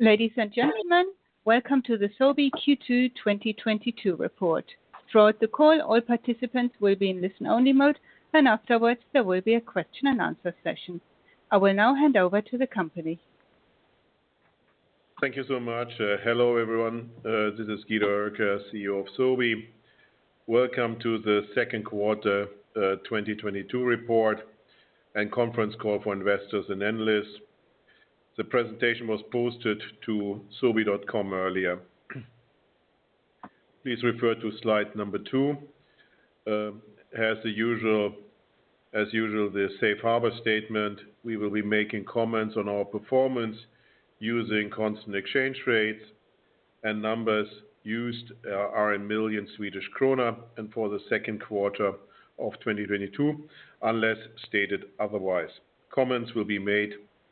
Ladies, and gentlemen, welcome to the Sobi Q2 2022 report. Throughout the call, all participants will be in listen-only mode, and afterwards, there will be a question-and-answer session. I will now hand over to the company. Thank you so much. Hello, everyone. This is Guido Oelkers, CEO of Sobi. Welcome to the Second Quarter 2022 Report and Conference Call for Investors and Analysts. The presentation was posted to sobi.com earlier. Please refer to slide number two. As usual, the safe harbor statement, we will be making comments on our performance using constant exchange rates and numbers used are in millions of SEK for the second quarter of 2022, unless stated otherwise. Comments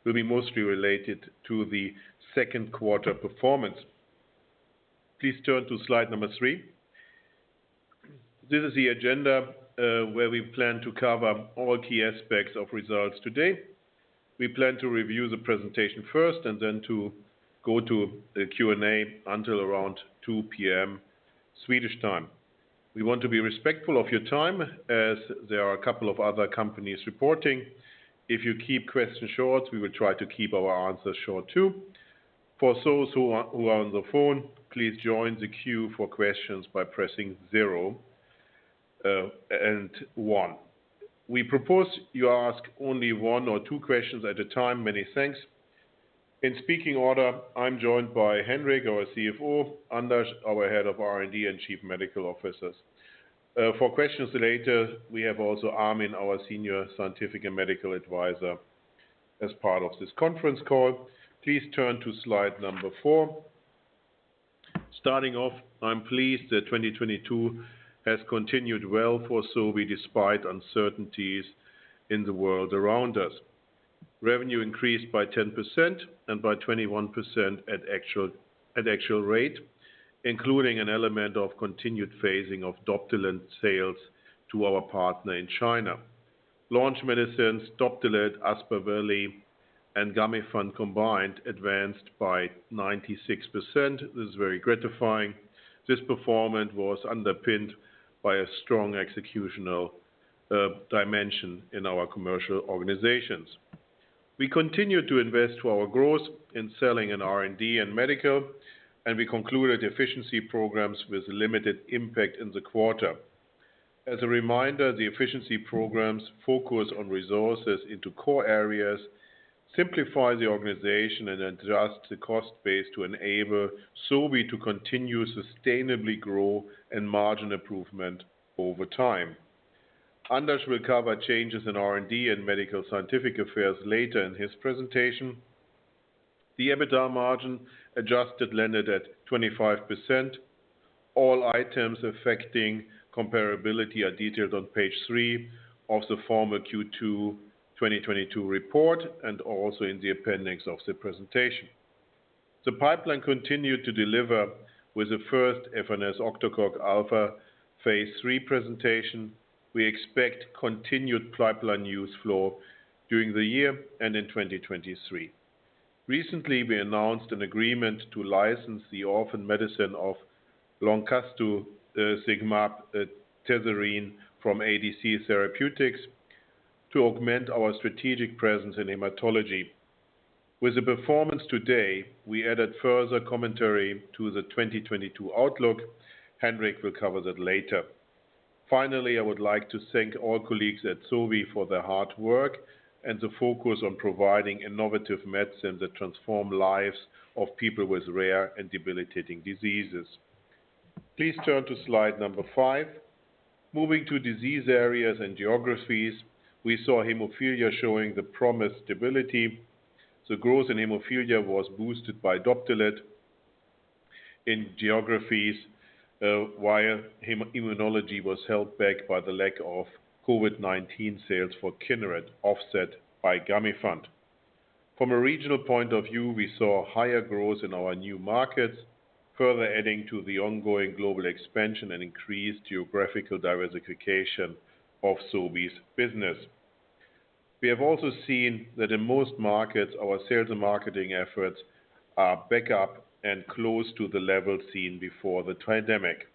will be mostly related to the second quarter performance. Please turn to slide number three. This is the agenda where we plan to cover all key aspects of results today. We plan to review the presentation first and then to go to the Q&A until around 2:00 P.M. Swedish time. We want to be respectful of your time as there are a couple of other companies reporting. If you keep questions short, we will try to keep our answers short too. For those who are on the phone, please join the queue for questions by pressing zero and one. We propose you ask only one or two questions at a time. Many thanks. In speaking order, I'm joined by Henrik, our CFO, Anders, our Head of R&D and Chief Medical Officer. For questions later, we have also Armin, our Senior Scientific and Medical Advisor, as part of this conference call. Please turn to slide number four. Starting off, I'm pleased that 2022 has continued well for Sobi despite uncertainties in the world around us. Revenue increased by 10% and by 21% at actual, at actual rate, including an element of continued phasing of Doptelet sales to our partner in China. Launch medicines, Doptelet, Aspaveli, and Gamifant combined advanced by 96%. This is very gratifying. This performance was underpinned by a strong executional dimension in our commercial organizations. We continued to invest in our growth in spending in R&D and medical, and we concluded efficiency programs with limited impact in the quarter. As a reminder, the efficiency programs focus on resources into core areas, simplify the organization, and adjust the cost base to enable Sobi to continue sustainably grow and margin improvement over time. Anders will cover changes in R&D and medical scientific affairs later in his presentation. The EBITDA margin adjusted landed at 25%. All items affecting comparability are detailed on page three of the former Q2 2022 report and also in the Appendix of the presentation. The pipeline continued to deliver with the first efanesoctocog alfa phase III presentation. We expect continued pipeline news flow during the year and in 2023. Recently, we announced an agreement to license the orphan medicine loncastuximab tesirine from ADC Therapeutics to augment our strategic presence in hematology. With the performance today, we added further commentary to the 2022 outlook. Henrik will cover that later. Finally, I would like to thank all colleagues at Sobi for their hard work and the focus on providing innovative medicine that transform lives of people with rare and debilitating diseases. Please turn to slide number five. Moving to disease areas and geographies, we saw hemophilia showing the promised stability. The growth in hemophilia was boosted by Doptelet in geographies, while immunology was held back by the lack of COVID-19 sales for Kineret offset by Gamifant. From a regional point of view, we saw higher growth in our new markets, further adding to the ongoing global expansion and increased geographical diversification of Sobi's business. We have also seen that in most markets, our sales and marketing efforts are back up and close to the level seen before the pandemic.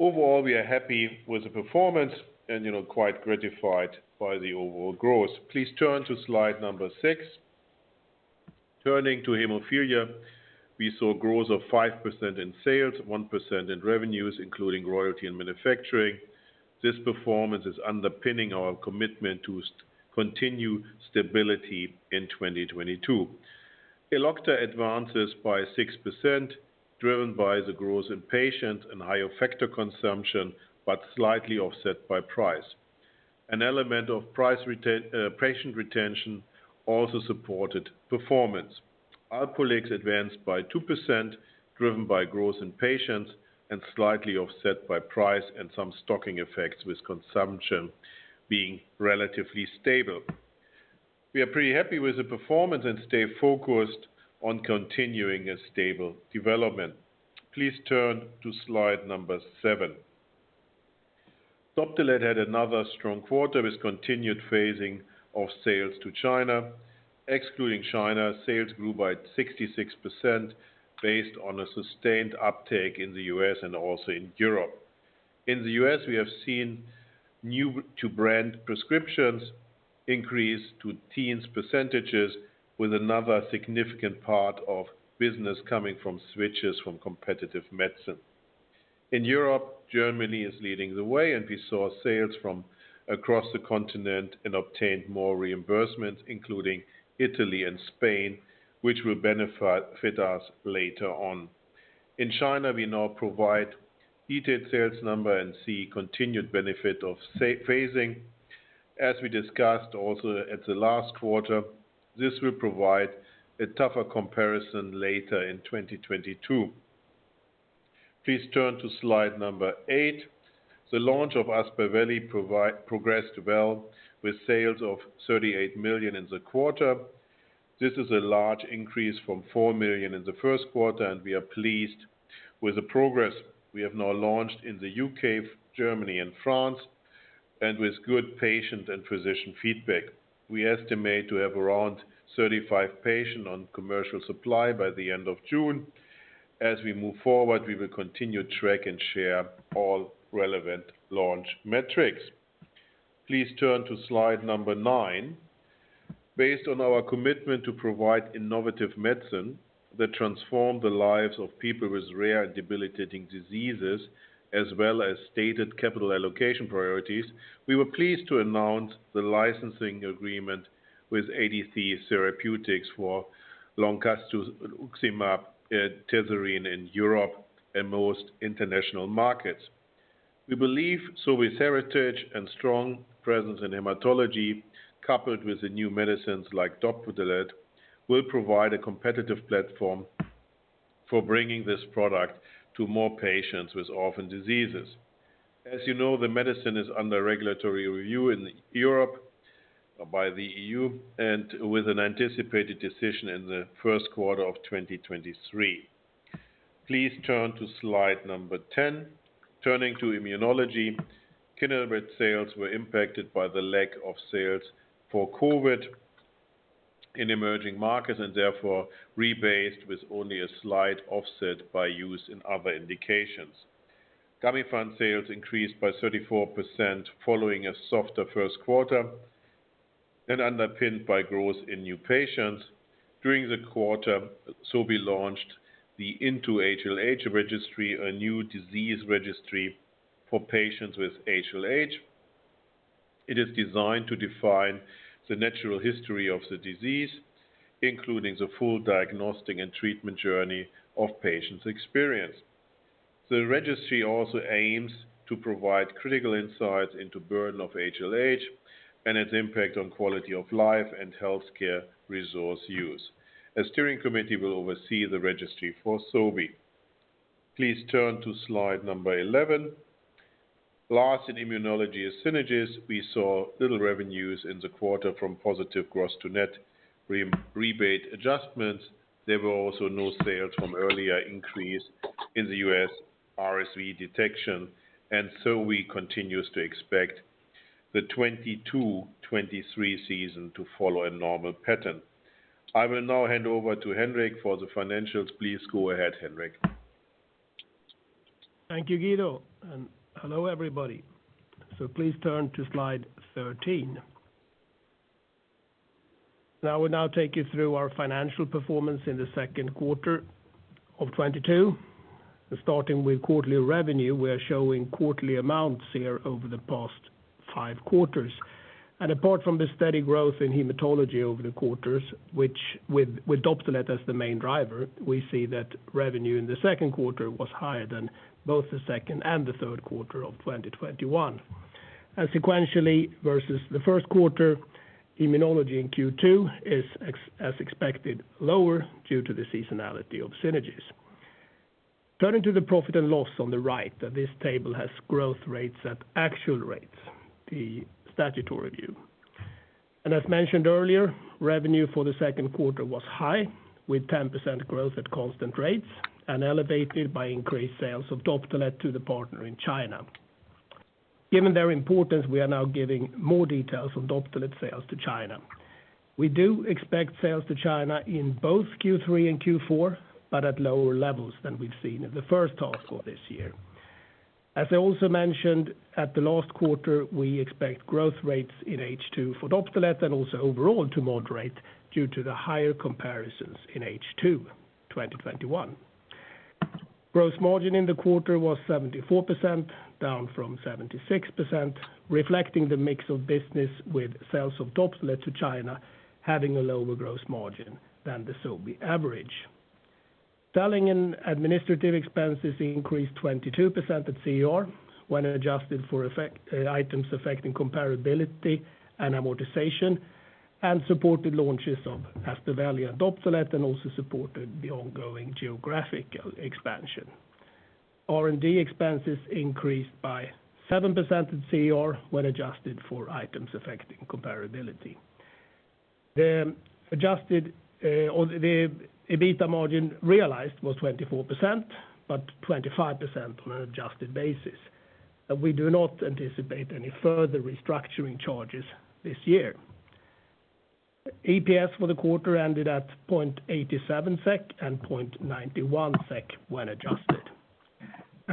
Overall, we are happy with the performance and, you know, quite gratified by the overall growth. Please turn to slide number six. Turning to hemophilia, we saw growth of 5% in sales, 1% in revenues, including royalty and manufacturing. This performance is underpinning our commitment to continue stability in 2022. Elocta advances by 6%, driven by the growth in patients and higher factor consumption, but slightly offset by price. An element of price retention also supported performance. Alprolix advanced by 2%, driven by growth in patients and slightly offset by price and some stocking effects with consumption being relatively stable. We are pretty happy with the performance and stay focused on continuing a stable development. Please turn to slide number seven. Doptelet had another strong quarter with continued phasing of sales to China. Excluding China, sales grew by 66% based on a sustained uptake in the U.S. and also in Europe. In the U.S., we have seen new to brand prescriptions increase to teens percentages with another significant part of business coming from switches from competitive medicine. In Europe, Germany is leading the way, and we saw sales from across the continent and obtained more reimbursements, including Italy and Spain, which will benefit us later on. In China, we now provide detailed sales number and see continued benefit of sales phasing. We discussed also at the last quarter, this will provide a tougher comparison later in 2022. Please turn to slide eight. The launch of Aspaveli progressed well with sales of 38 million in the quarter. This is a large increase from 4 million in the first quarter, and we are pleased with the progress we have now launched in the U.K., Germany and France, and with good patient and physician feedback. We estimate to have around 35 patients on commercial supply by the end of June. We move forward, we will continue to track and share all relevant launch metrics. Please turn to slide nine. Based on our commitment to provide innovative medicine that transform the lives of people with rare and debilitating diseases, as well as stated capital allocation priorities, we were pleased to announce the licensing agreement with ADC Therapeutics for Zynlonta in Europe and most international markets. We believe Sobi's heritage and strong presence in hematology, coupled with the new medicines like Doptelet, will provide a competitive platform for bringing this product to more patients with orphan diseases. As you know, the medicine is under regulatory review in Europe by the EU and with an anticipated decision in the first quarter of 2023. Please turn to slide 10. Turning to immunology, Kineret sales were impacted by the lack of sales for COVID in emerging markets and therefore rebased with only a slight offset by use in other indications. Gamifant sales increased by 34% following a softer first quarter and underpinned by growth in new patients. During the quarter, Sobi launched the INTO-HLH registry, a new disease registry for patients with HLH. It is designed to define the natural history of the disease, including the full diagnostic and treatment journey of patients' experience. The registry also aims to provide critical insights into burden of HLH and its impact on quality of life and healthcare resource use. A steering committee will oversee the registry for Sobi. Please turn to slide 11. Last in immunology is Synagis. We saw little revenues in the quarter from positive gross-to-net rebate adjustments. There were also no sales from earlier increase in the U.S. RSV detection, and Sobi continues to expect the 2022-2023 season to follow a normal pattern. I will now hand over to Henrik for the financials. Please go ahead, Henrik. Thank you, Guido, and hello, everybody. Please turn to slide 13. I will now take you through our financial performance in the second quarter of 2022. Starting with quarterly revenue, we are showing quarterly amounts here over the past five quarters. Apart from the steady growth in hematology over the quarters, which, with Doptelet as the main driver, we see that revenue in the second quarter was higher than both the second and the third quarter of 2021. Sequentially, versus the first quarter, immunology in Q2 is as expected, lower due to the seasonality of Synagis. Turning to the profit and loss on the right, this table has growth rates at actual rates, the statutory view. As mentioned earlier, revenue for the second quarter was high with 10% growth at constant rates and elevated by increased sales of Doptelet to the partner in China. Given their importance, we are now giving more details on Doptelet sales to China. We do expect sales to China in both Q3 and Q4, but at lower levels than we've seen in the first half of this year. As I also mentioned at the last quarter, we expect growth rates in H2 for Doptelet and also overall to moderate due to the higher comparisons in H2 2021. Gross margin in the quarter was 74%, down from 76%, reflecting the mix of business with sales of Doptelet to China having a lower gross margin than the Sobi average. Selling and administrative expenses increased 22% at CER when adjusted for effect, items affecting comparability and amortization, and supported launches of Aspaveli and Doptelet, and also supported the ongoing geographical expansion. R&D expenses increased by 7% at CER when adjusted for items affecting comparability. The Adjusted EBITDA margin realized was 24%, but 25% on an adjusted basis. We do not anticipate any further restructuring charges this year. EPS for the quarter ended at 0.87 SEK and 0.91 SEK when adjusted.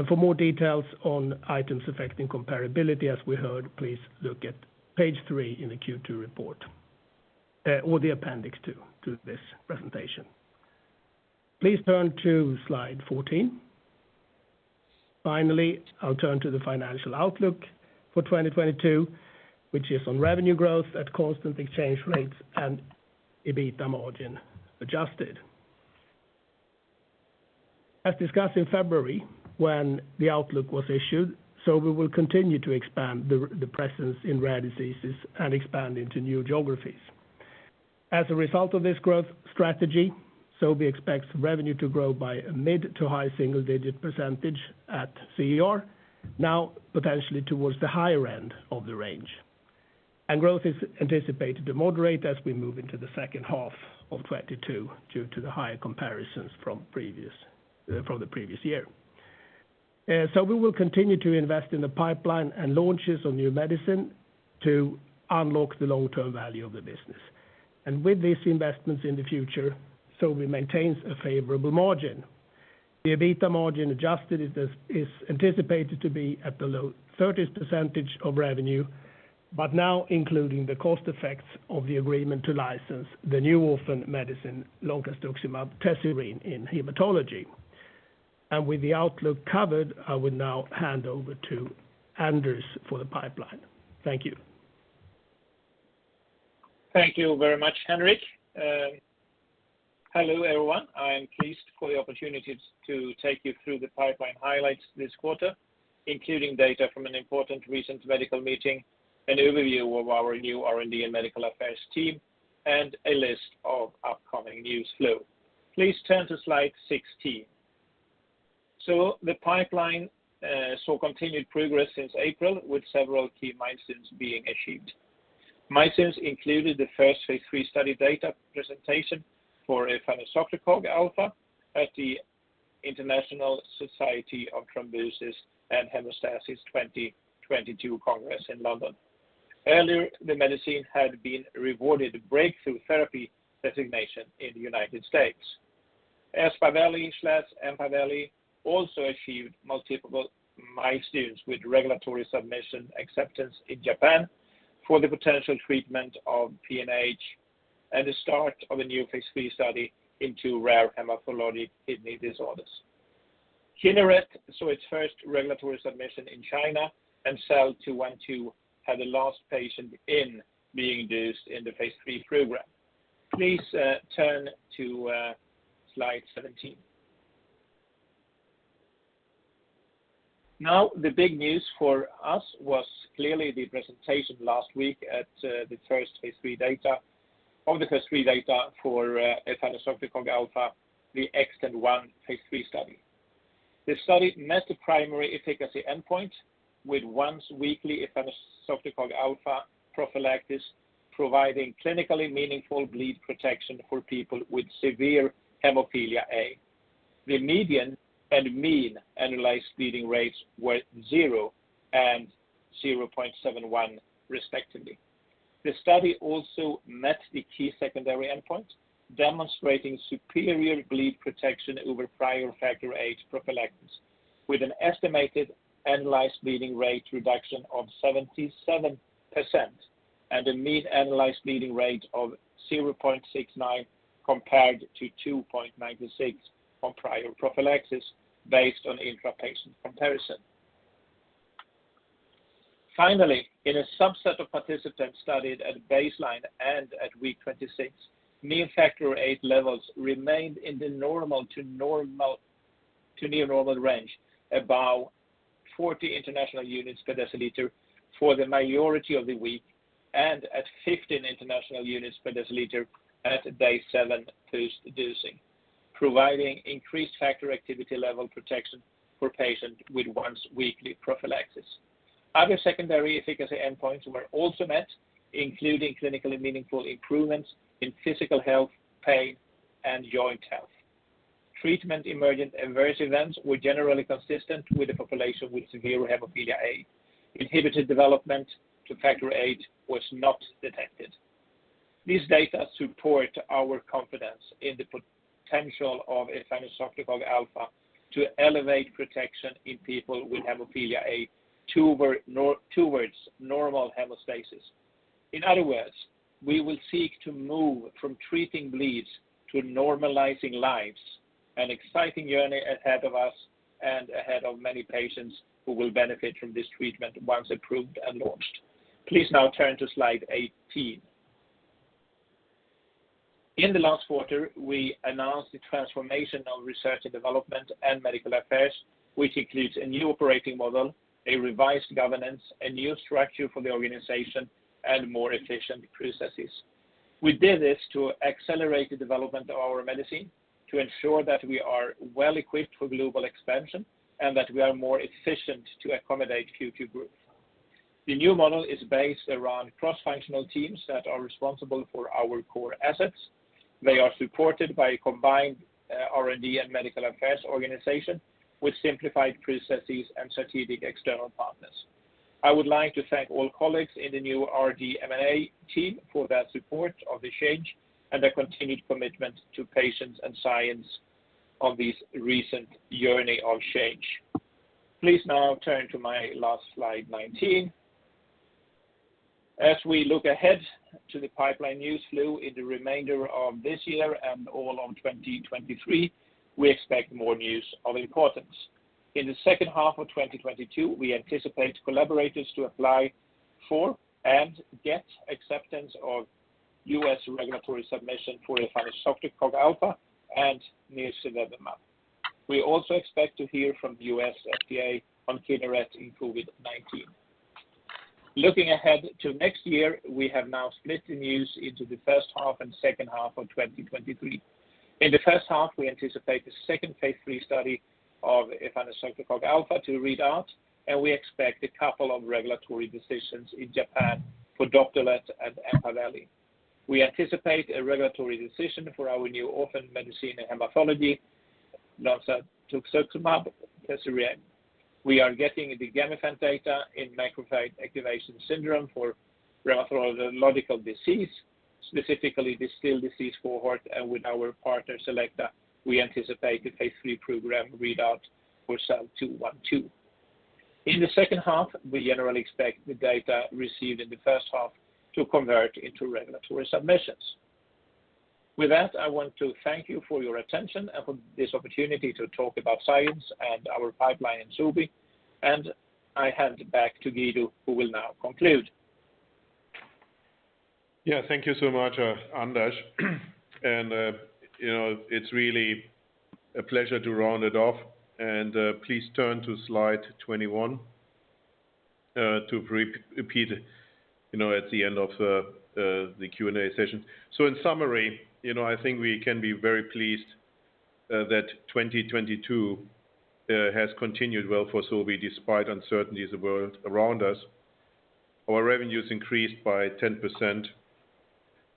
For more details on items affecting comparability as we heard, please look at page three in the Q2 report, or the Appendix 2 to this presentation. Please turn to slide 14. Finally, I'll turn to the financial outlook for 2022, which is on revenue growth at constant exchange rates and EBITDA margin adjusted. As discussed in February when the outlook was issued, Sobi will continue to expand the presence in rare diseases and expand into new geographies. As a result of this growth strategy, Sobi expects revenue to grow by a mid- to high single-digit % at CER, now potentially towards the higher end of the range. Growth is anticipated to moderate as we move into the second half of 2022 due to the higher comparisons from the previous year. Sobi will continue to invest in the pipeline and launches of new medicine to unlock the long-term value of the business. With these investments in the future, Sobi maintains a favorable margin. The EBITDA margin adjusted is anticipated to be at the low 30s% of revenue, but now including the cost effects of the agreement to license the new orphan medicine loncastuximab tesirine in hematology. With the outlook covered, I will now hand over to Anders for the pipeline. Thank you. Thank you very much, Henrik. Hello, everyone. I am pleased for the opportunity to take you through the pipeline highlights this quarter, including data from an important recent medical meeting, an overview of our new R&D and medical affairs team, and a list of upcoming news flow. Please turn to slide 16. The pipeline saw continued progress since April with several key milestones being achieved. Milestones included the first phase III study data presentation for efanesoctocog alfa at the International Society on Thrombosis and Haemostasis 2022 Congress in London. Earlier, the medicine had been rewarded breakthrough therapy designation in the U.S. Aspaveli/empaveli also achieved multiple milestones with regulatory submission acceptance in Japan for the potential treatment of PNH and the start of a new phase III study into rare hematologic kidney disorders. Kineret saw its first regulatory submission in China, and SEL-212 had the last patient being dosed in the phase III program. Please turn to slide 17. Now, the big news for us was clearly the presentation last week at the phase III data for efanesoctocog alfa, the XTEND-1 phase III study. The study met the primary efficacy endpoint with once-weekly efanesoctocog alfa prophylaxis providing clinically meaningful bleed protection for people with severe hemophilia A. The median and mean annualized bleeding rates were 0 and 0.71 respectively. The study also met the key secondary endpoint, demonstrating superior bleed protection over prior Factor VIII prophylaxis, with an estimated analyzed bleeding rate reduction of 77% and a mean analyzed bleeding rate of 0.69 compared to 2.96 on prior prophylaxis based on intra-patient comparison. Finally, in a subset of participants studied at baseline and at week 26, mean Factor VIII levels remained in the normal to near normal range, above 40 international units per deciliter for the majority of the week and at 15 international units per deciliter at day seven post-dosing, providing increased factor activity level protection for patients with once-weekly prophylaxis. Other secondary efficacy endpoints were also met, including clinically meaningful improvements in physical health, pain, and joint health. Treatment-emergent adverse events were generally consistent with the population with severe hemophilia A. Inhibitor development to Factor VIII was not detected. These data support our confidence in the potential of efanesoctocog alfa to elevate protection in people with hemophilia A towards normal hemostasis. In other words, we will seek to move from treating bleeds to normalizing lives, an exciting journey ahead of us and ahead of many patients who will benefit from this treatment once approved and launched. Please now turn to slide 18. In the last quarter, we announced the transformation of research and development and medical affairs, which includes a new operating model, a revised governance, a new structure for the organization, and more efficient processes. We did this to accelerate the development of our medicine, to ensure that we are well-equipped for global expansion, and that we are more efficient to accommodate QT growth. The new model is based around cross-functional teams that are responsible for our core assets. They are supported by a combined R&D and medical affairs organization with simplified processes and strategic external partners. I would like to thank all colleagues in the new RDMA team for their support of the change and their continued commitment to patients and science of this recent journey of change. Please now turn to my last slide 19. As we look ahead to the pipeline news flow in the remainder of this year and all of 2023, we expect more news of importance. In the second half of 2022, we anticipate collaborators to apply for and get acceptance of U.S. regulatory submission for efanesoctocog alfa and nirsevimab. We also expect to hear from the U.S. FDA on Kineret in COVID-19. Looking ahead to next year, we have now split the news into the first half and second half of 2023. In the first half, we anticipate the second phase III study of efanesoctocog alfa to read out, and we expect a couple of regulatory decisions in Japan for Doptelet and Aspaveli. We anticipate a regulatory decision for our new orphan medicine in hematology, loncastuximab tesirine. We are getting the Gamifant data in macrophage activation syndrome for rheumatological disease, specifically the Still's disease cohort, and with our partner, Selecta, we anticipate the phase III program readout for SEL-212. In the second half, we generally expect the data received in the first half to convert into regulatory submissions. With that, I want to thank you for your attention and for this opportunity to talk about science and our pipeline in Sobi. I hand it back to Guido, who will now conclude. Yeah. Thank you so much, Anders. You know, it's really a pleasure to round it off. Please turn to slide 21 to recap, you know, at the end of the Q&A session. In summary, you know, I think we can be very pleased that 2022 has continued well for Sobi despite uncertainties the world around us. Our revenues increased by 10%,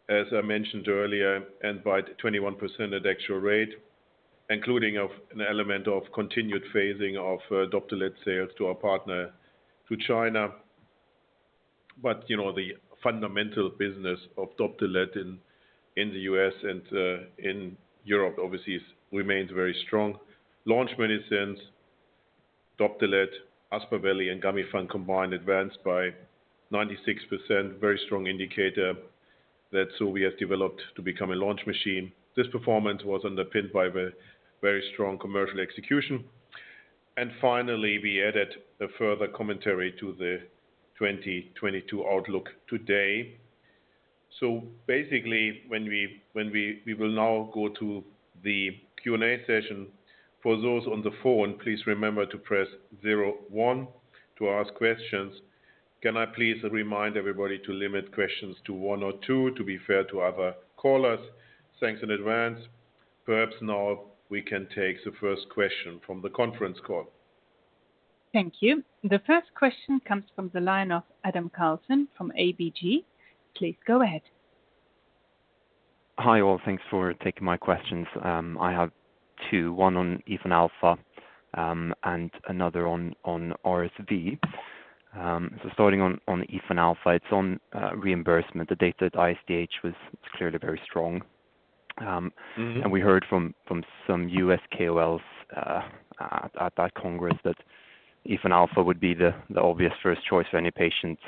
as I mentioned earlier, and by 21% at actual rate, including an element of continued phasing of Doptelet sales to our partner to China. You know, the fundamental business of Doptelet in the U.S. and in Europe obviously remains very strong. Launch medicines, Doptelet, Aspaveli and Gamifant combined advanced by 96%. Very strong indicator that Sobi has developed to become a launch machine. This performance was underpinned by the very strong commercial execution. Finally, we added a further commentary to the 2022 outlook today. We will now go to the Q&A session. For those on the phone, please remember to press zero one to ask questions. Can I please remind everybody to limit questions to one or two to be fair to other callers? Thanks in advance. Perhaps now we can take the first question from the conference call. Thank you. The first question comes from the line of Adam Karlsson from ABG. Please go ahead. Hi, all. Thanks for taking my questions. I have two, one on efanesoctocog alfa, and another on RSV. Starting on efanesoctocog alfa, it's on reimbursement. The data at ISTH was clearly very strong. Mm-hmm. We heard from some U.S. KOLs at that congress that efanesoctocog alfa would be the obvious first choice for any patient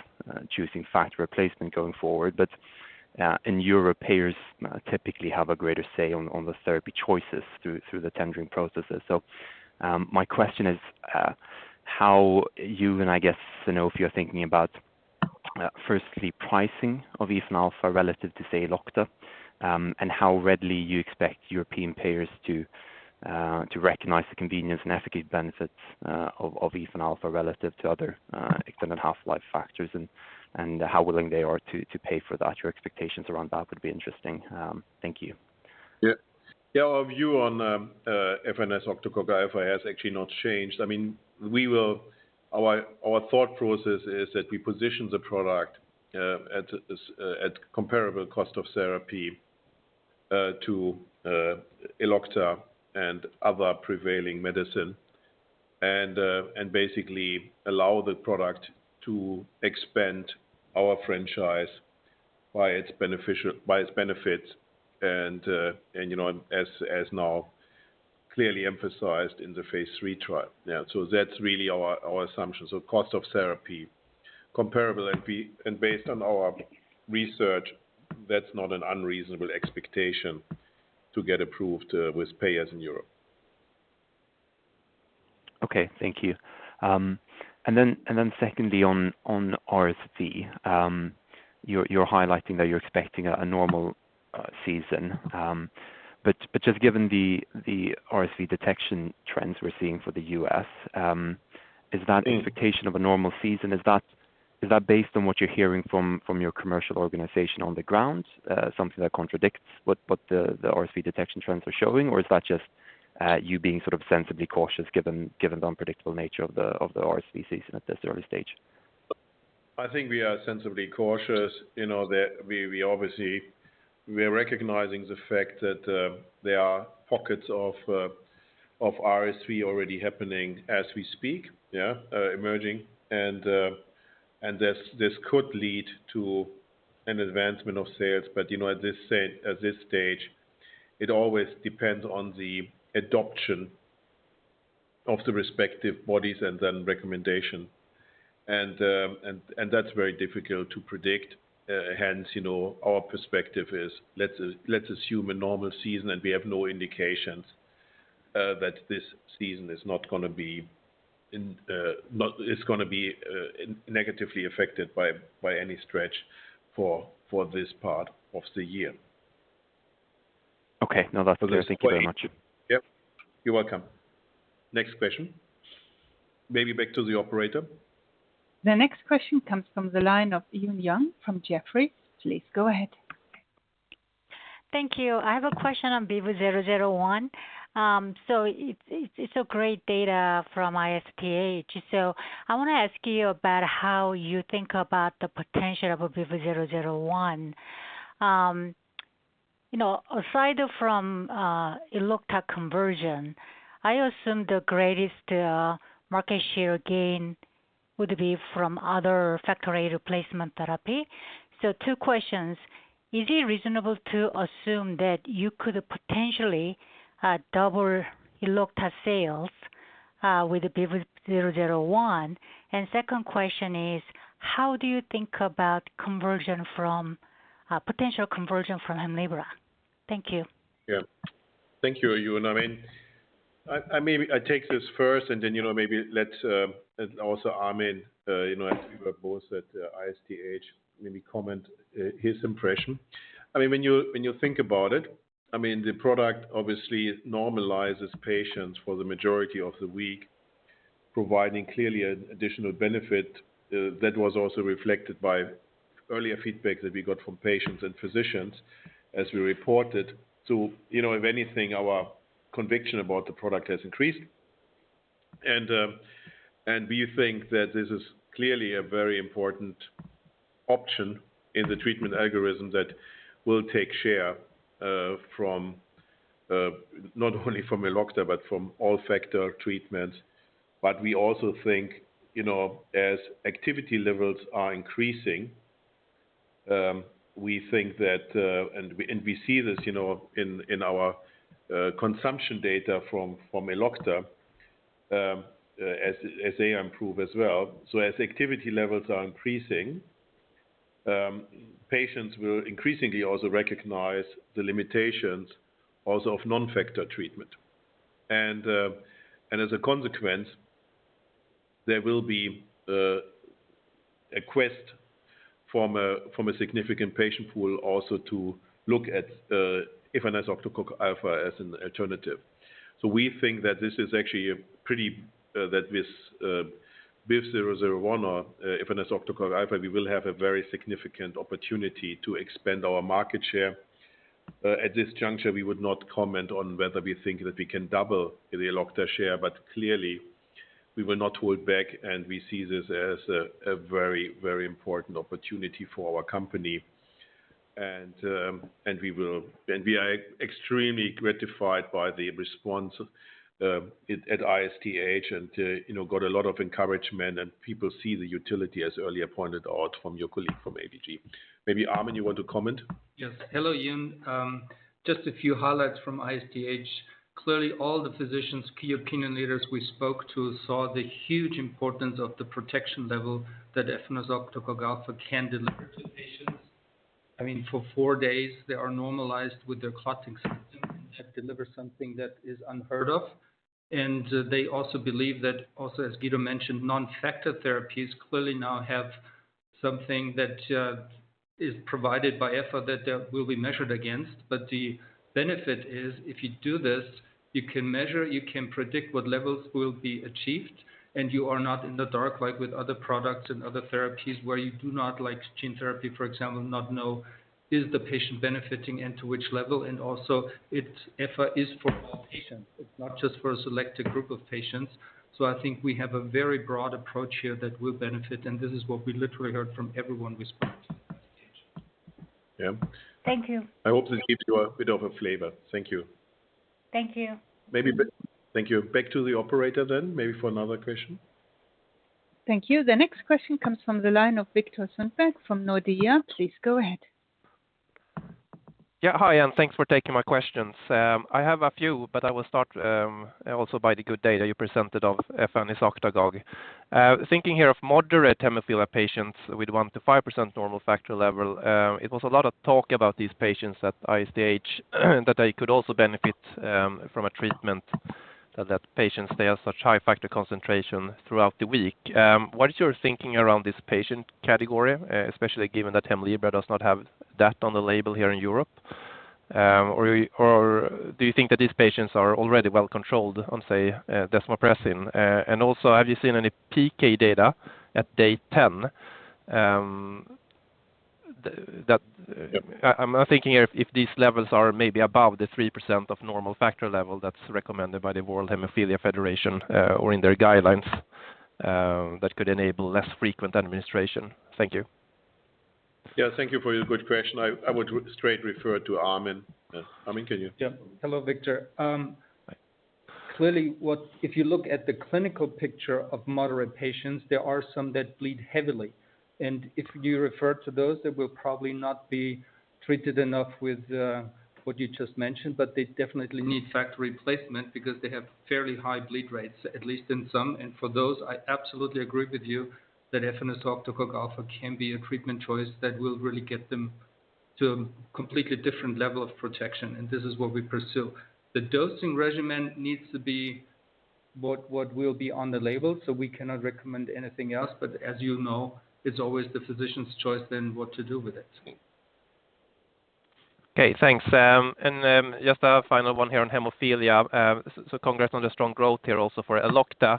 choosing factor replacement going forward. In Europe, payers typically have a greater say on the therapy choices through the tendering processes. My question is how you and I guess Sanofi are thinking about firstly pricing of efanesoctocog alfa relative to say Elocta, and how readily you expect European payers to recognize the convenience and efficacy benefits of efanesoctocog alfa relative to other extended half-life factors and how willing they are to pay for that. Your expectations around that would be interesting. Thank you. Yeah. Our view on efanesoctocog alfa has actually not changed. Our thought process is that we position the product at comparable cost of therapy to Elocta and other prevailing medicine and basically allow the product to expand our franchise by its benefits now clearly emphasized in the phase III trial. Yeah. That's really our assumption. Cost of therapy comparable and based on our research, that's not an unreasonable expectation to get approved with payers in Europe. Okay. Thank you. Secondly, on RSV, you're highlighting that you're expecting a normal season. Just given the RSV detection trends we're seeing for the U.S., is that expectation of a normal season based on what you're hearing from your commercial organization on the ground, something that contradicts what the RSV detection trends are showing? Or is that just you being sort of sensibly cautious given the unpredictable nature of the RSV season at this early stage? I think we are sensibly cautious. You know, that we obviously are recognizing the fact that there are pockets of RSV already happening as we speak, yeah, emerging. This could lead to an advancement of sales. You know, at this stage, it always depends on the adoption of the respective bodies and then recommendation. That's very difficult to predict. Hence, you know, our perspective is let's assume a normal season, and we have no indications that this season is gonna be negatively affected by any stretch for this part of the year. Okay. No, that's clear. Thank you very much. Yeah. You're welcome. Next question. Maybe back to the operator. The next question comes from the line of Eun Yang from Jefferies. Please go ahead. Thank you. I have a question on BIVV001. It's a great data from ISTH. I wanna ask you about how you think about the potential of a BIVV001. You know, aside from Elocta conversion, I assume the greatest market share gain would be from other factor VIII replacement therapy. Two questions. Is it reasonable to assume that you could potentially double Elocta sales with the BIVV001? And second question is, how do you think about conversion from potential conversion from Hemlibra? Thank you. Yeah. Thank you, Eun. I mean, maybe I take this first and then, you know, maybe let also Armin, you know, as we were both at ISTH, maybe comment his impression. I mean, when you think about it, I mean, the product obviously normalizes patients for the majority of the week, providing clearly an additional benefit that was also reflected by earlier feedback that we got from patients and physicians as we reported. You know, if anything, our conviction about the product has increased. We think that this is clearly a very important option in the treatment algorithm that will take share from, not only from Elocta, but from all factor treatments. We also think, you know, as activity levels are increasing, we see this, you know, in our consumption data from Elocta, as they improve as well. As activity levels are increasing, patients will increasingly also recognize the limitations also of non-factor treatment. As a consequence, there will be a quest from a significant patient pool also to look at efanesoctocog alfa as an alternative. We think that this, BIVV001 or efanesoctocog alfa, we will have a very significant opportunity to expand our market share. At this juncture, we would not comment on whether we think that we can double the Elocta share, but clearly we will not hold back, and we see this as a very, very important opportunity for our company. We are extremely gratified by the response at ISTH, you know, got a lot of encouragement and people see the utility as earlier pointed out from your colleague from ABG. Maybe, Armin, you want to comment? Yes. Hello, Eun. Just a few highlights from ISTH. Clearly, all the physicians, key opinion leaders we spoke to saw the huge importance of the protection level that efanesoctocog alfa can deliver to patients. I mean, for four days, they are normalized with their clotting symptoms. That delivers something that is unheard of. They also believe that also, as Guido mentioned, non-factor therapies clearly now have something that is provided by EFA that will be measured against. The benefit is if you do this, you can measure, you can predict what levels will be achieved, and you are not in the dark like with other products and other therapies where you do not, like gene therapy, for example, not know is the patient benefiting and to which level. Also it's EFA is for all patients. It's not just for a selected group of patients. I think we have a very broad approach here that will benefit, and this is what we literally heard from everyone we spoke to at ISTH. Yeah. Thank you. I hope that gives you a bit of a flavor. Thank you. Thank you. Thank you. Back to the operator then maybe for another question. Thank you. The next question comes from the line of Viktor Sundberg from Nordea. Please go ahead. Hi, and thanks for taking my questions. I have a few, but I will start also by the good data you presented of efanesoctocog alfa. Thinking here of moderate hemophilia patients with 1%-5% normal factor level, it was a lot of talk about these patients at ISTH that they could also benefit from a treatment that patients have such high factor concentration throughout the week. What is your thinking around this patient category, especially given that Hemlibra does not have that on the label here in Europe? Or do you think that these patients are already well controlled on, say, desmopressin? Have you seen any PK data at day 10? That, I'm now thinking if these levels are maybe above the 3% of normal factor level that's recommended by the World Federation of Hemophilia, or in their guidelines, that could enable less frequent administration. Thank you. Yeah, thank you for your good question. I would straight refer to Armin. Armin, can you- Yeah. Hello, Viktor. Clearly, if you look at the clinical picture of moderate patients, there are some that bleed heavily. If you refer to those, they will probably not be treated enough with what you just mentioned, but they definitely need factor replacement because they have fairly high bleed rates, at least in some. For those, I absolutely agree with you that efanesoctocog alfa can be a treatment choice that will really get them to a completely different level of protection, and this is what we pursue. The dosing regimen needs to be what will be on the label, so we cannot recommend anything else. As you know, it's always the physician's choice then what to do with it. Okay, thanks. Just a final one here on hemophilia. Congrats on the strong growth here also for Elocta.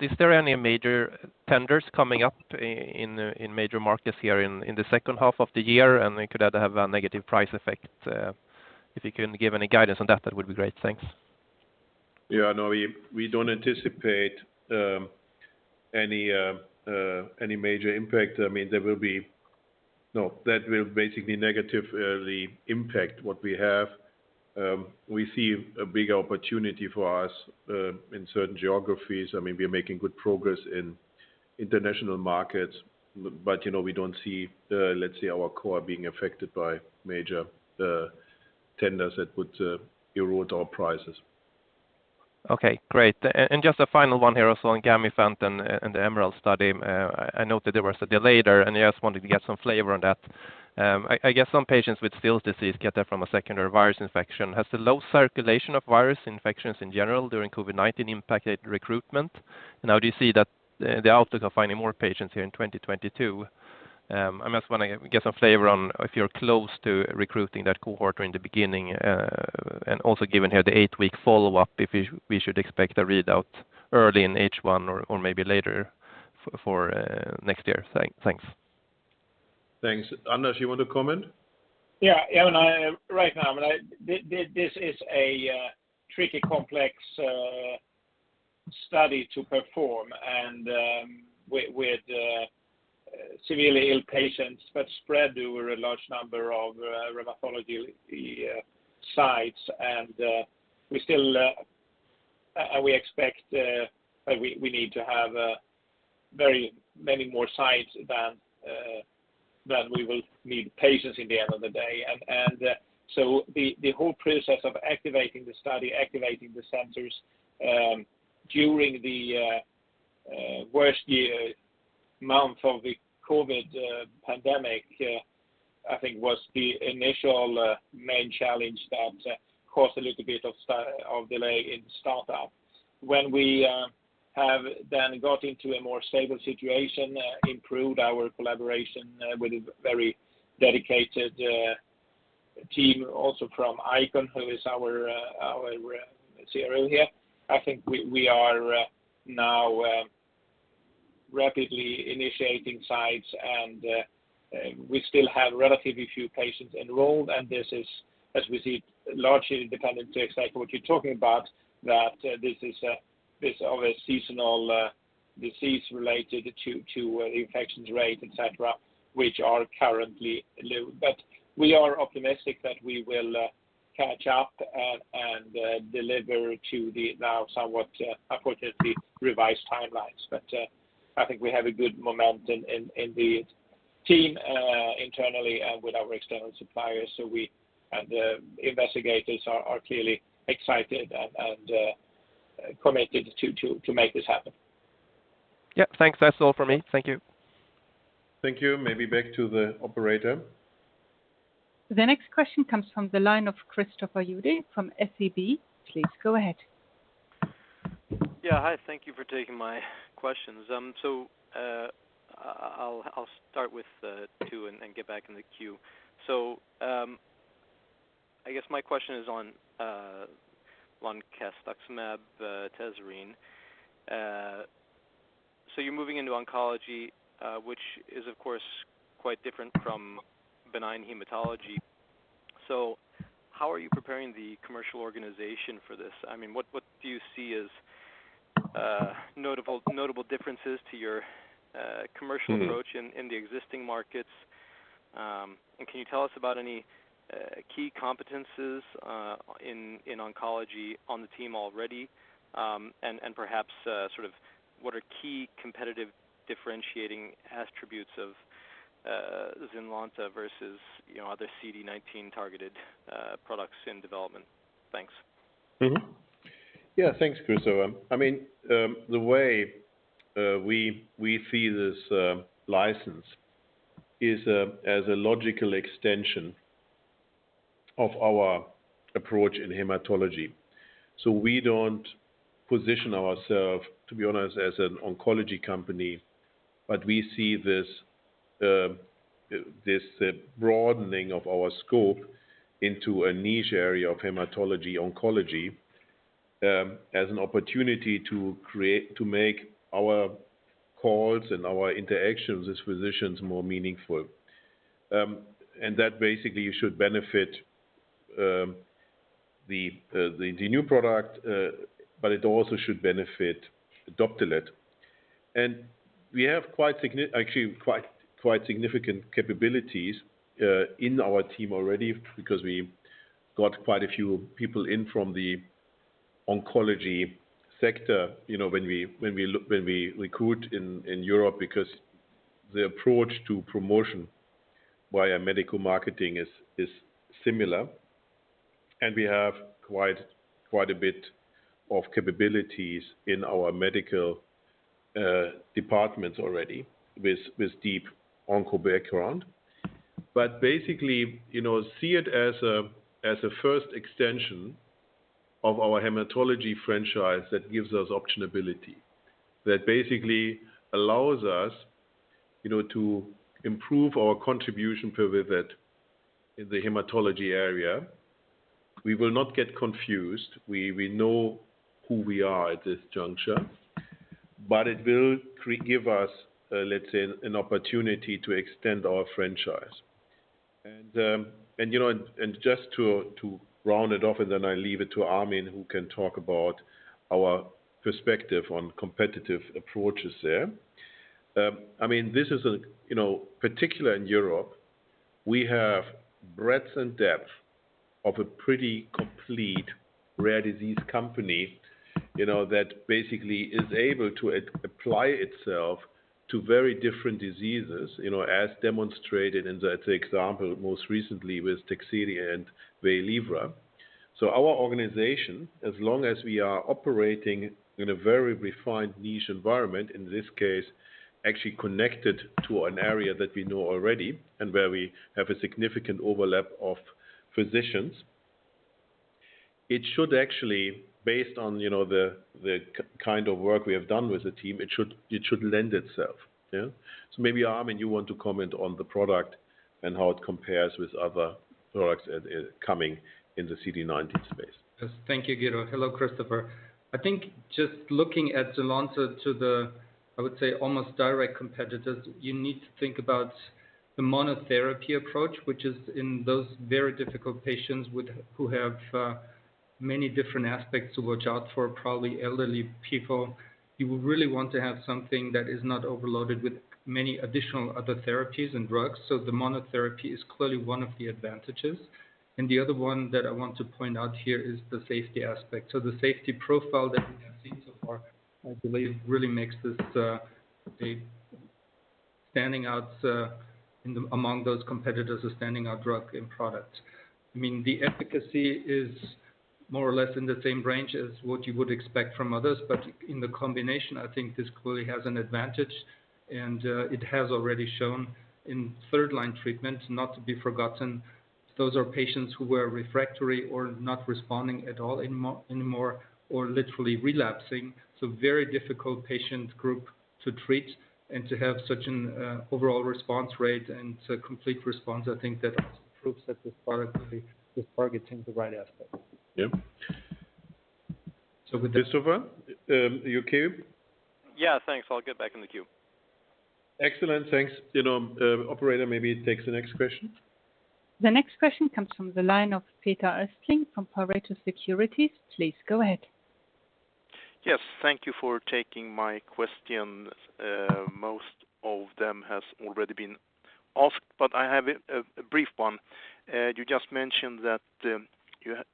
Is there any major tenders coming up in major markets here in the second half of the year and then could have a negative price effect? If you can give any guidance on that would be great. Thanks. Yeah, no, we don't anticipate any major impact. I mean, no, that will basically negatively impact what we have. We see a big opportunity for us in certain geographies. I mean, we are making good progress in international markets, but you know, we don't see, let's say, our core being affected by major tenders that would erode our prices. Okay, great. Just a final one here also on Gamifant and the EMERALD study. I note that there was a delay there, and I just wanted to get some flavor on that. I guess some patients with Still's disease get that from a secondary virus infection. Has the low circulation of virus infections in general during COVID-19 impacted recruitment? Now, do you see that the outlook of finding more patients here in 2022? I'm just wanting to get some flavor on if you're close to recruiting that cohort or in the beginning, and also given here the eight-week follow-up, if we should expect a readout early in H1 or maybe later for next year. Thanks. Thanks. Anders, you want to comment? Yeah, Viktor, this is a tricky, complex study to perform and with severely ill patients, but spread over a large number of rheumatology sites. We still expect we need to have very many more sites than we will need patients in the end of the day. The whole process of activating the study, activating the centers, during the worst year of the COVID pandemic, I think was the initial main challenge that caused a little bit of delay in startup. When we have then got into a more stable situation, improved our collaboration with a very dedicated team also from ICON, who is our CRO here. I think we are now rapidly initiating sites and we still have relatively few patients enrolled, and this is, as we see, largely dependent on exactly what you're talking about, that this is a seasonal disease related to infection rates, et cetera, which are currently low. We are optimistic that we will catch up and deliver on the now somewhat appropriately revised timelines. I think we have a good momentum in the team internally and with our external suppliers. We and the investigators are clearly excited and committed to make this happen. Yeah. Thanks. That's all for me. Thank you. Thank you. Maybe back to the operator. The next question comes from the line of Christopher Uhde from SEB. Please go ahead. Yeah. Hi, thank you for taking my questions. I'll start with two and get back in the queue. I guess my question is on loncastuximab tesirine. You're moving into oncology, which is of course, quite different from benign hematology. How are you preparing the commercial organization for this? I mean, what do you see as notable differences to your commercial approach in the existing markets? And can you tell us about any key competencies in oncology on the team already? And perhaps sort of what are key competitive differentiating attributes of Zynlonta versus, you know, other CD19 targeted products in development? Thanks. Yeah. Thanks, Christopher. I mean, the way we see this license is as a logical extension of our approach in hematology. We don't position ourselves, to be honest, as an oncology company, but we see this broadening of our scope into a niche area of hematology oncology as an opportunity to make our calls and our interactions as physicians more meaningful. That basically should benefit the new product, but it also should benefit Doptelet. We have actually quite significant capabilities in our team already because we got quite a few people in from the oncology sector. You know, when we recruit in Europe because the approach to promotion via medical marketing is similar. We have quite a bit of capabilities in our medical departments already with deep onco background. But basically, you know, see it as a first extension of our hematology franchise that gives us optionality. That basically allows us, you know, to improve our contribution per patient in the hematology area. We will not get confused. We know who we are at this juncture, but it will give us, let's say, an opportunity to extend our franchise. You know, just to round it off, then I leave it to Armin, who can talk about our perspective on competitive approaches there. I mean, this is, you know, particular in Europe, we have breadth and depth of a pretty complete rare disease company, you know, that basically is able to apply itself to very different diseases, you know, as demonstrated in the example most recently with Tecfidera and Waylivra. Our organization, as long as we are operating in a very refined niche environment, in this case, actually connected to an area that we know already and where we have a significant overlap of physicians, it should actually, based on, you know, the kind of work we have done with the team, it should lend itself. Yeah. Maybe, Armin, you want to comment on the product and how it compares with other products coming in the CD19 space. Thank you, Guido. Hello, Christopher. I think just looking at Zynlonta to the, I would say, almost direct competitors, you need to think about the monotherapy approach, which is in those very difficult patients with who have many different aspects to watch out for, probably elderly people. You would really want to have something that is not overloaded with many additional other therapies and drugs. The monotherapy is clearly one of the advantages. The other one that I want to point out here is the safety aspect. The safety profile that we have seen so far, I believe, really makes this a standing out among those competitors, a standing out drug and product. I mean, the efficacy is more or less in the same range as what you would expect from others. In the combination, I think this clearly has an advantage, and it has already shown in third line treatment, not to be forgotten, those are patients who were refractory or not responding at all anymore or literally relapsing. Very difficult patient group to treat and to have such an overall response rate and a complete response. I think that proves that this product is targeting the right aspect. Yeah. With this Christopher, you'll queue? Yeah, thanks. I'll get back in the queue. Excellent. Thanks. You know, operator, maybe take the next question. The next question comes from the line of Peter Östling from Pareto Securities. Please go ahead. Yes, thank you for taking my question. Most of them has already been asked, but I have a brief one. You just mentioned that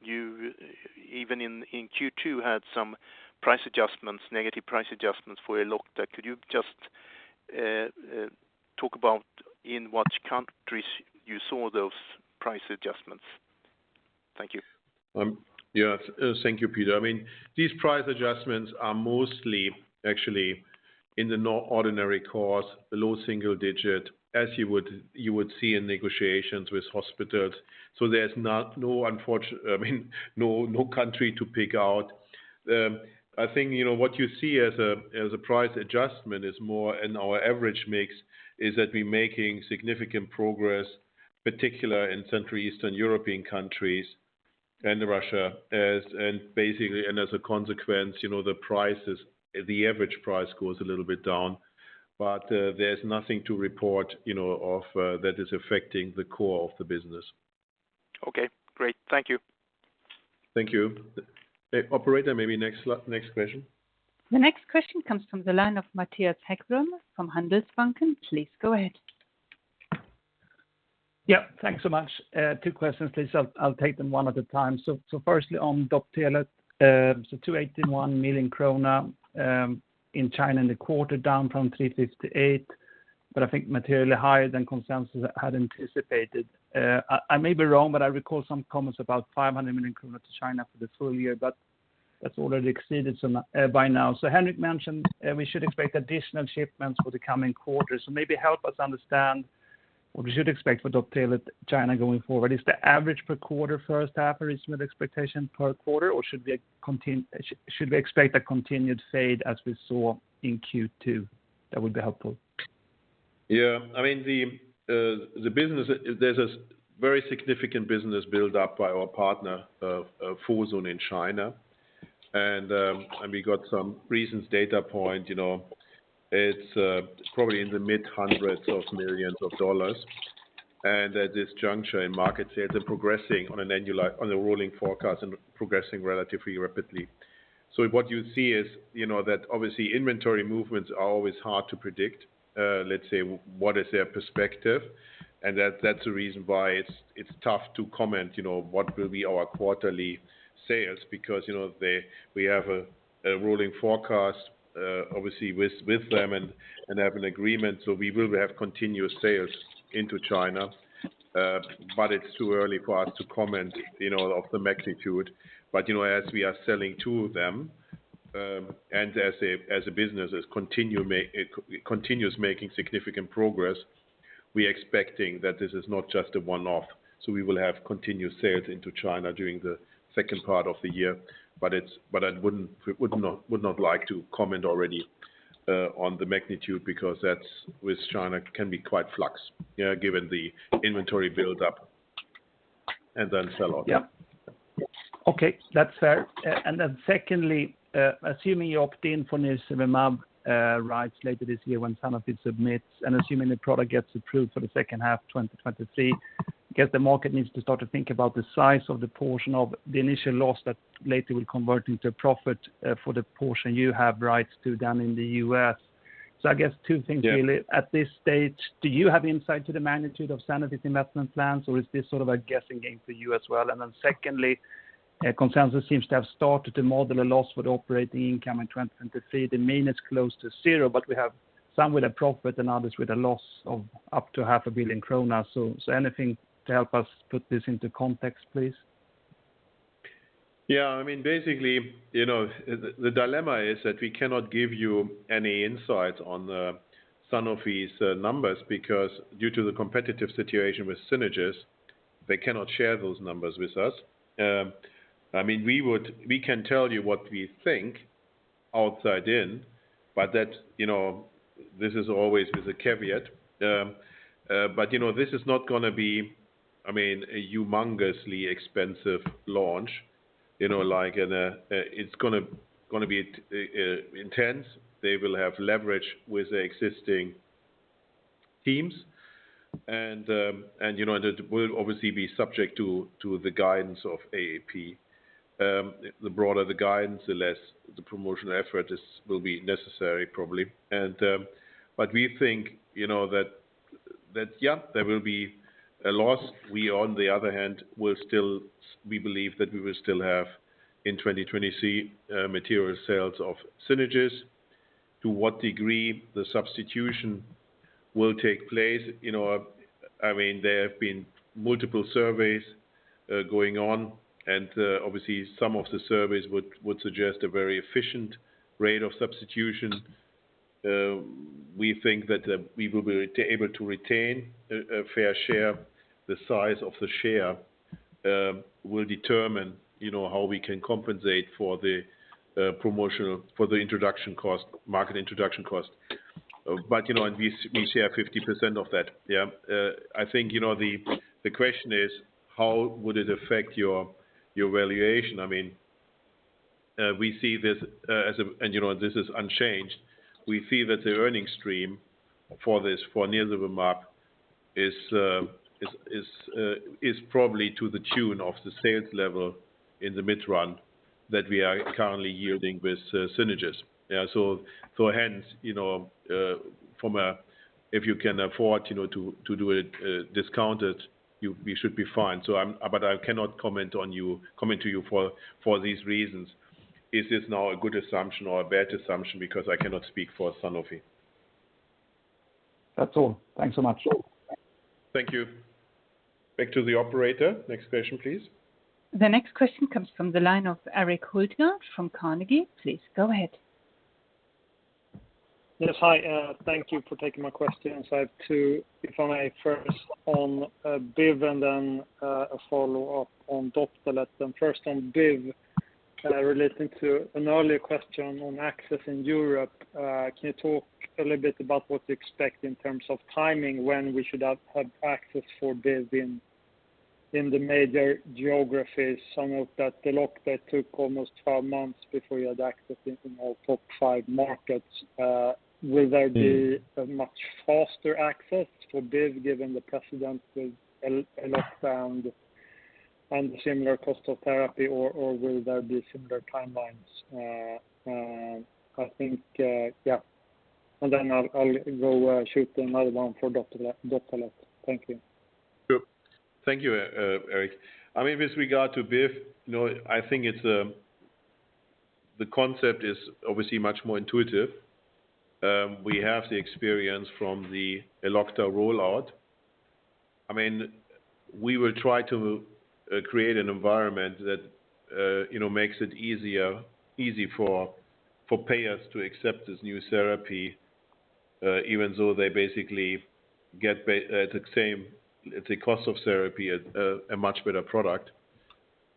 you even in Q2 had some price adjustments, negative price adjustments for Elocta. Could you just talk about in which countries you saw those price adjustments? Thank you. Yes, thank you, Peter. I mean, these price adjustments are mostly actually in the ordinary course, low single-digit, as you would see in negotiations with hospitals. There's no country to pick out. I think, you know, what you see as a price adjustment is more in our average mix that we're making significant progress, particularly in Central and Eastern European countries and Russia and basically as a consequence, you know, the prices, the average price goes a little bit down. There's nothing to report, you know, that is affecting the core of the business. Okay, great. Thank you. Thank you. Operator, maybe next question. The next question comes from the line of Mattias Häggblom from Handelsbanken. Please go ahead. Yeah, thanks so much. Two questions, please. I'll take them one at a time. Firstly, on Doptelet, so 281 million krona in China in the quarter, down from 358 million, but I think materially higher than consensus had anticipated. I may be wrong, but I recall some comments about 500 million to China for the full year, but that's already exceeded by now. Henrik mentioned we should expect additional shipments for the coming quarters. Maybe help us understand what we should expect for Doptelet China going forward. Is the average per quarter first half a reasonable expectation per quarter, or should we expect a continued fade as we saw in Q2? That would be helpful. Yeah. I mean, the business, there's a very significant business build up by our partner, Fosun in China. We got some recent data point, you know. It's probably in the mid hundreds of millions of dollars. At this juncture in market sales are progressing on a rolling forecast and progressing relatively rapidly. What you see is, you know, that obviously inventory movements are always hard to predict. Let's say what is their perspective. That's the reason why it's tough to comment, you know, what will be our quarterly sales. Because, you know, we have a rolling forecast, obviously, with them and have an agreement. We will have continuous sales into China. But it's too early for us to comment, you know, of the magnitude. You know, as we are selling to them, and as a business continues making significant progress, we expecting that this is not just a one-off. We will have continued sales into China during the second part of the year. I wouldn't like to comment already on the magnitude because that's with China can be quite flux, yeah, given the inventory build up and then sell off. Yeah. Okay. That's fair. Secondly, assuming you obtain for nirsevimab rights later this year when Sanofi submits, and assuming the product gets approved for the second half of 2023, I guess the market needs to start to think about the size of the portion of the initial loss that later will convert into profit for the portion you have rights to down in the U.S. I guess two things really. Yeah. At this stage, do you have insight to the magnitude of Sanofi's investment plans, or is this sort of a guessing game for you as well? Then secondly, consensus seems to have started to model a loss for the operating income in 2023. The mean is close to zero, but we have some with a profit and others with a loss of up to half a billion krona. So anything to help us put this into context, please? Yeah. I mean, basically, you know, the dilemma is that we cannot give you any insights on Sanofi's numbers because due to the competitive situation with Synagis, they cannot share those numbers with us. I mean, we can tell you what we think outside in, but that, you know, this is always with a caveat. You know, this is not gonna be, I mean, a humongously expensive launch. You know, like in a, it's gonna be intense. They will have leverage with the existing teams. You know, that will obviously be subject to the guidance of AAP. The broader the guidance, the less the promotional effort will be necessary, probably. We think, you know, that, yeah, there will be a loss. We, on the other hand, we believe that we will still have in 2023 material sales of Synagis. To what degree the substitution will take place, you know, I mean, there have been multiple surveys going on, and obviously some of the surveys would suggest a very efficient rate of substitution. We think that we will be able to retain a fair share. The size of the share will determine, you know, how we can compensate for the promotional for the introduction cost, market introduction cost. You know, we share 50% of that. I think, you know, the question is how would it affect your valuation? I mean, we see this as unchanged. We see that the earnings stream for this, for nilotinib is probably to the tune of the sales level in the mid-run that we are currently yielding with Synagis. Hence, you know, if you can afford, you know, to do it discounted, we should be fine. I cannot comment to you for these reasons. Is this now a good assumption or a bad assumption because I cannot speak for Sanofi. That's all. Thanks so much. Thank you. Back to the operator. Next question, please. The next question comes from the line of Erik Hultgård from Carnegie. Please go ahead. Yes. Hi, thank you for taking my questions. I have two, if I may. First on BIV and then a follow-up on Doptelet. First on BIV, relating to an earlier question on access in Europe. Can you talk a little bit about what to expect in terms of timing when we should have access for BIV in the major geographies? Some of that Elocta took almost 12 months before you had access in all top five markets. Will there be Mm. a much faster access for BIVV given the precedent with Elocta and similar cost of therapy, or will there be similar timelines? I think, yeah. Then I'll go shoot another one for Doptelet. Thank you. Sure. Thank you, Erik. I mean, with regard to BIVV, you know, I think it's the concept is obviously much more intuitive. We have the experience from the Elocta rollout. I mean, we will try to create an environment that you know makes it easier for payers to accept this new therapy even though they basically get the same cost of therapy at a much better product.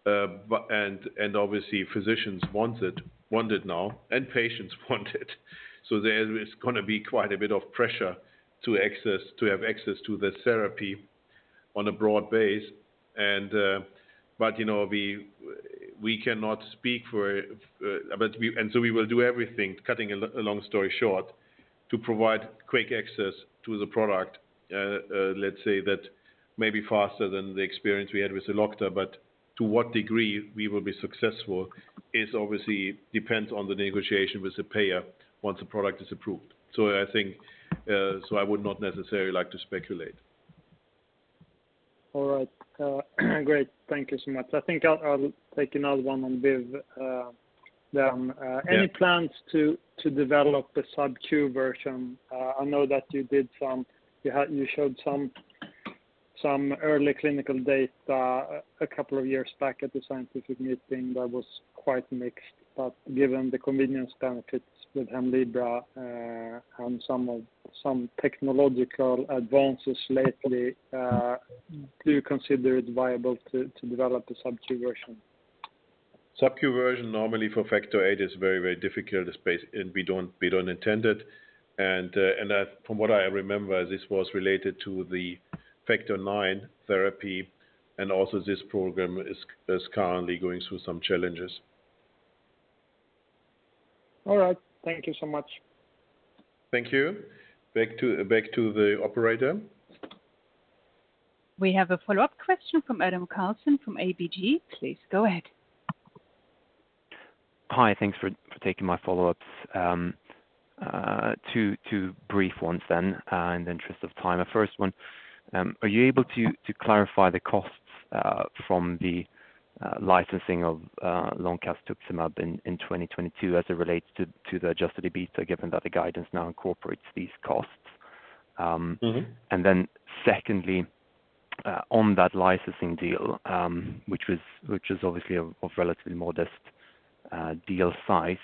But and obviously physicians want it now and patients want it. There is gonna be quite a bit of pressure to have access to the therapy on a broad base. You know, we will do everything, cutting a long story short, to provide quick access to the product, let's say that maybe faster than the experience we had with Elocta. To what degree we will be successful is obviously depends on the negotiation with the payer once the product is approved. I think, I would not necessarily like to speculate. All right. Great. Thank you so much. I think I'll take another one on BIVV, then. Yeah. Any plans to develop a subcutaneous version? I know that you showed some early clinical data a couple of years back at the scientific meeting that was quite mixed. Given the convenience benefits with Hemlibra, and some technological advances lately, do you consider it viable to develop a subcutaneous version? Subcutaneous version normally for Factor VIII is very, very difficult and we don't intend it. That from what I remember, this was related to the Factor IX therapy, and also this program is currently going through some challenges. All right. Thank you so much. Thank you. Back to the operator. We have a follow-up question from Adam Karlsson from ABG. Please go ahead. Hi. Thanks for taking my follow-ups. Two brief ones then, in the interest of time. A first one, are you able to clarify the costs from the licensing of loncastuximab in 2022 as it relates to the Adjusted EBITA, given that the guidance now incorporates these costs? Mm-hmm. Secondly, on that licensing deal, which was obviously of relatively modest deal size,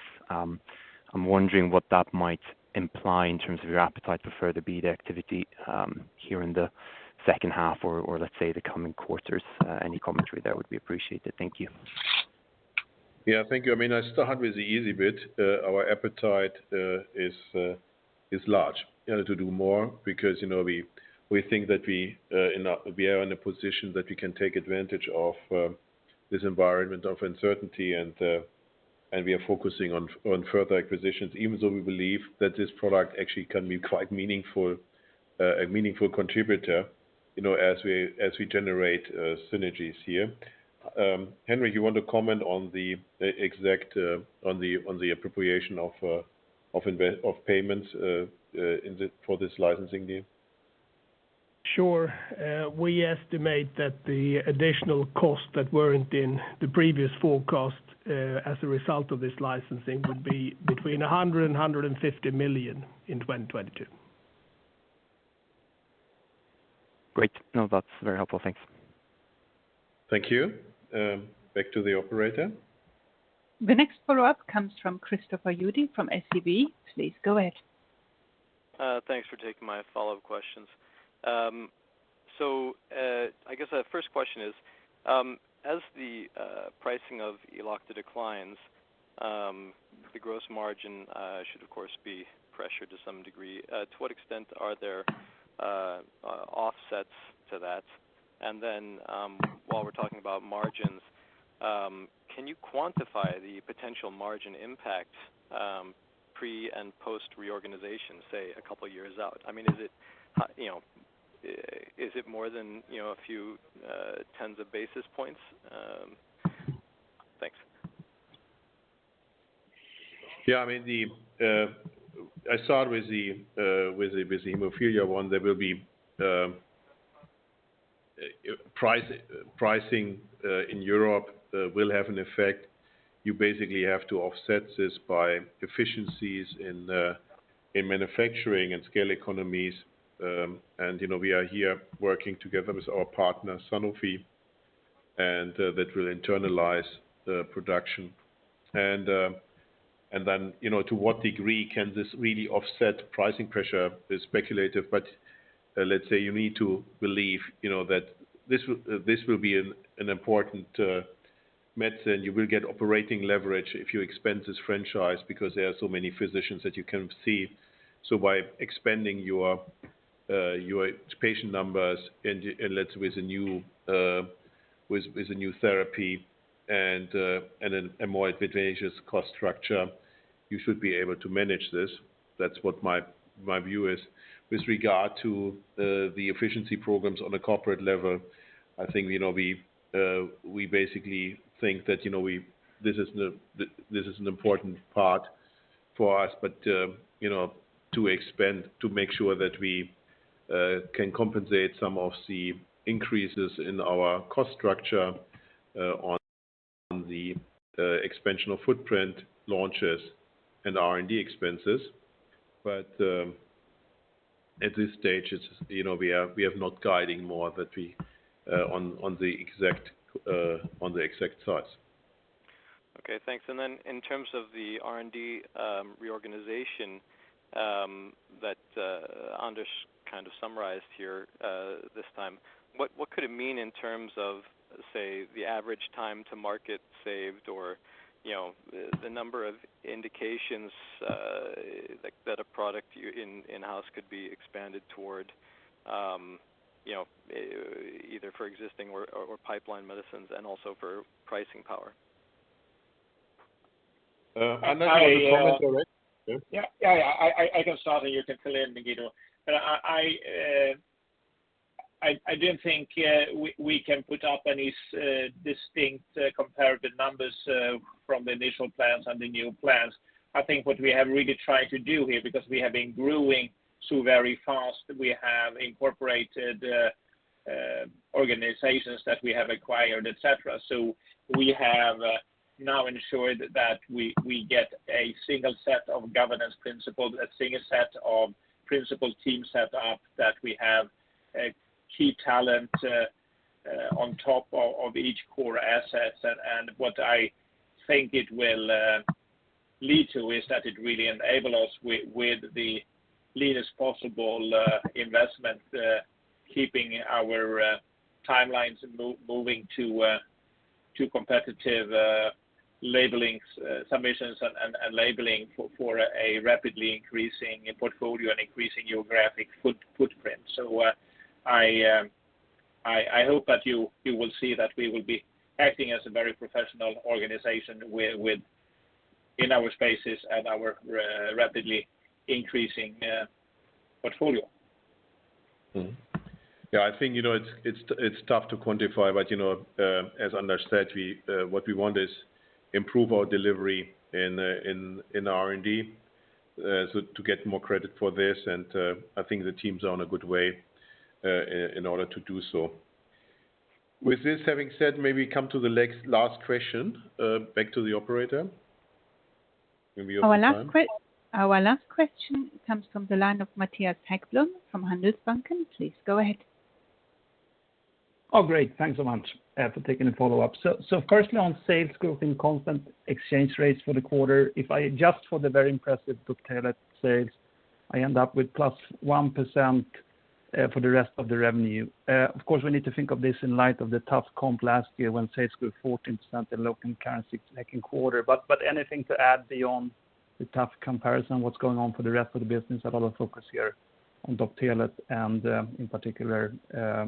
I'm wondering what that might imply in terms of your appetite for further BD activity here in the second half or let's say the coming quarters. Any commentary there would be appreciated. Thank you. Yeah, thank you. I mean, I start with the easy bit. Our appetite is large. We wanted to do more because, you know, we think that we are in a position that we can take advantage of this environment of uncertainty and we are focusing on further acquisitions, even though we believe that this product actually can be quite meaningful, a meaningful contributor, you know, as we generate Synagis here. Henrik, you want to comment on the appropriation of payments for this licensing deal? Sure. We estimate that the additional costs that weren't in the previous forecast, as a result of this licensing would be between 100 million and 150 million in 2022. Great. No, that's very helpful. Thanks. Thank you. Back to the operator. The next follow-up comes from Christopher Uhde from SEB. Please go ahead. Thanks for taking my follow-up questions. I guess the first question is, as the pricing of Elocta declines, the gross margin should of course be pressured to some degree. To what extent are there offsets to that? While we're talking about margins, can you quantify the potential margin impact, pre- and post-reorganization, say, a couple of years out? I mean, is it more than a few tens of basis points? Thanks. Yeah. I mean, I start with the hemophilia one. There will be pricing in Europe will have an effect. You basically have to offset this by efficiencies in manufacturing and scale economies. You know, we are here working together with our partner, Sanofi, and that will internalize the production. Then, you know, to what degree can this really offset pricing pressure is speculative, but let's say you need to believe, you know, that this will be an important medicine. You will get operating leverage if your expense is fixed because there are so many physicians that you can see. By expanding your patient numbers and with a new therapy and a more advantageous cost structure, you should be able to manage this. That's what my view is. With regard to the efficiency programs on a corporate level, I think you know, we basically think that you know, this is an important part for us, but you know, to expand to make sure that we can compensate some of the increases in our cost structure on the expansion of footprint launches and R&D expenses. At this stage, it's you know, we have not guiding more than we on the exact size. Okay, thanks. In terms of the R&D reorganization that Anders kind of summarized here this time. What could it mean in terms of, say, the average time to market saved or, you know, the number of indications like that a product in-house could be expanded toward, you know, either for existing or pipeline medicines and also for pricing power? Uh, Yeah. I can start and you can fill in, Guido. I don't think we can put up any distinct comparative numbers from the initial plans and the new plans. I think what we have really tried to do here, because we have been growing so very fast, we have incorporated organizations that we have acquired, et cetera. We have now ensured that we get a single set of governance principles, a single set of principle team set up, that we have a key talent on top of each core assets. What I think it will lead to is that it really enable us with the leanest possible investment keeping our timelines moving to competitive labelings submissions and labeling for a rapidly increasing portfolio and increasing geographic footprint. I hope that you will see that we will be acting as a very professional organization within our spaces and our rapidly increasing portfolio. Mm-hmm. Yeah. I think, you know, it's tough to quantify, but, you know, as Anders said, what we want is improve our delivery in R&D, so to get more credit for this. I think the teams are on a good way, in order to do so. With this having said, may we come to the next last question, back to the operator. Maybe you have time. Our last question comes from the line of Mattias Häggblom from Handelsbanken. Please go ahead. Oh, great. Thanks so much for taking the follow-up. Firstly on sales growth in constant exchange rates for the quarter. If I adjust for the very impressive Doptelet sales, I end up with +1% for the rest of the revenue. Of course, we need to think of this in light of the tough comp last year when sales grew 14% in local currency second quarter. Anything to add beyond the tough comparison, what's going on for the rest of the business? A lot of focus here on Doptelet and, in particular,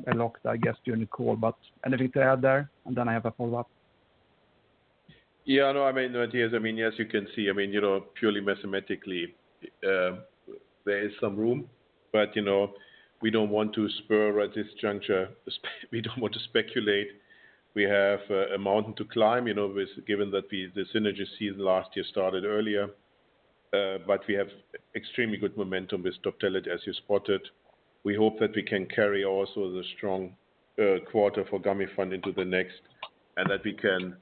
Elocta, I guess, during the call. Anything to add there? Then I have a follow-up. Yeah, no, I mean, Mattias, I mean, as you can see, I mean, you know, purely mathematically, there is some room, but, you know, we don't want to speculate. We have a mountain to climb, you know, with given that the Synagis season last year started earlier. We have extremely good momentum with Doptelet, as you spotted. We hope that we can carry also the strong quarter for Gamifant into the next, and that we can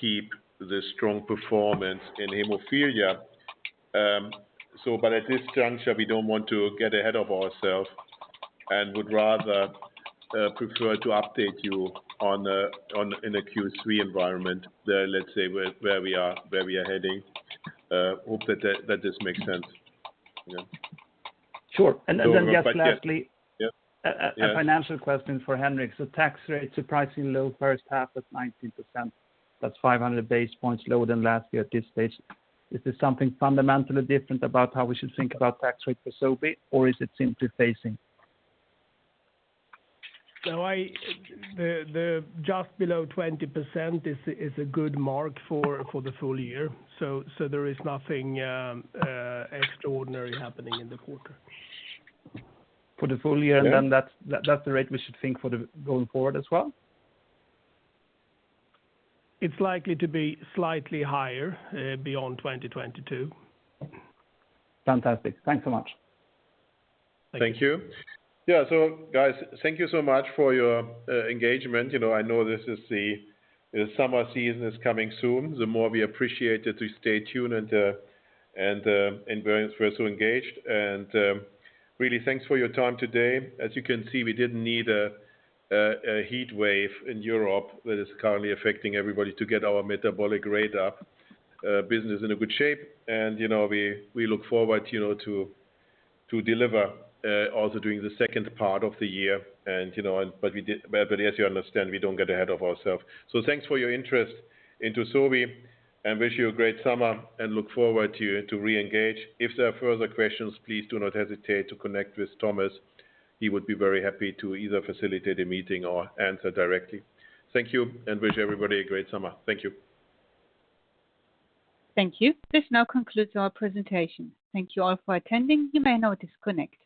keep the strong performance in hemophilia. At this juncture, we don't want to get ahead of ourself and would rather prefer to update you on, in a Q3 environment, let's say, where we are, where we are heading. Hope that this makes sense. Yeah. Sure. So Just lastly. Yeah. Yeah A financial question for Henrik. Tax rate surprisingly low first half was 19%. That's 500 basis points lower than last year at this stage. Is this something fundamentally different about how we should think about tax rate for Sobi, or is it simply phasing? No, the just below 20% is a good mark for the full year. There is nothing extraordinary happening in the quarter. For the full year. Yeah That's the rate we should think for going forward as well? It's likely to be slightly higher, beyond 2022. Fantastic. Thanks so much. Thank you. Thank you. Yeah. Guys, thank you so much for your engagement. You know, I know this is the summer season is coming soon. The more we appreciate you to stay tuned and we're so engaged. Really thanks for your time today. As you can see, we didn't need a heat wave in Europe that is currently affecting everybody to get our metabolic rate up, business in a good shape. You know, we look forward, you know, to deliver also during the second part of the year. As you understand, we don't get ahead of ourselves. Thanks for your interest into Sobi, and wish you a great summer and look forward to re-engage. If there are further questions, please do not hesitate to connect with Thomas. He would be very happy to either facilitate a meeting or answer directly. Thank you, and wish everybody a great summer. Thank you. Thank you. This now concludes our presentation. Thank you all for attending. You may now disconnect.